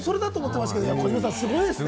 すごいですね。